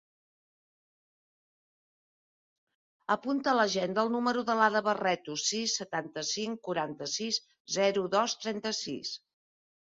Apunta a l'agenda el número de l'Ada Barreto: sis, setanta-cinc, quaranta-sis, zero, dos, trenta-sis.